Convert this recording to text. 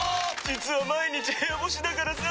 実は毎日部屋干しだからさ。